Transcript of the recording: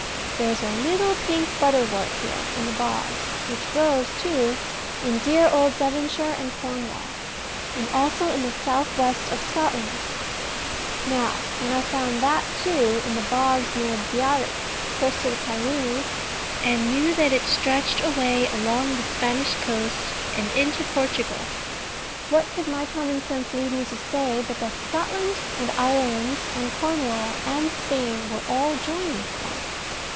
There is a little pink butterwort here in the bogs, which grows, too, in dear old Devonshire and Cornwall; and also in the south west of Scotland. Now, when I found that too, in the bogs near Biarritz, close to the Pyrenees, and knew that it stretched away along the Spanish coast, and into Portugal, what could my common sense lead me to say but that Scotland, and Ireland, and Cornwall, and Spain were all joined once?